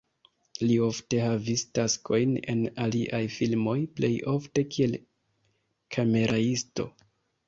Li ofte havis taskojn en aliaj filmoj, plej ofte, kiel kameraisto.